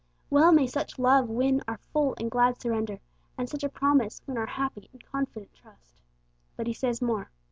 Well may such love win our full and glad surrender, and such a promise win our happy and confident trust! But He says more.